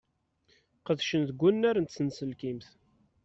Qedcen deg unnar n tsenselkimt.